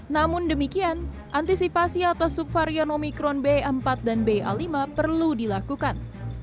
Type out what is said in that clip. namun demikian antisipasi atau subvarian omikron b empat dan ba lima perlu dilakukan